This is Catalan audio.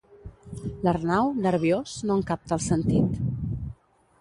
L'Arnau, nerviós, no en capta el sentit.